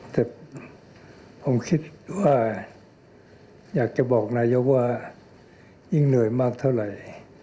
แต่ผมคิดว่าอยากจะบอกนายกว่ายิ่งเหนื่อยมากเท่าไหร่